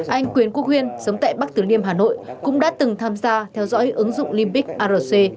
anh quyền quốc huyên sống tại bắc tứ liêm hà nội cũng đã từng tham gia theo dõi ứng dụng limbic arch